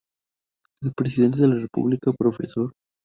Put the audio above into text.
El Presidente de la República, Prof.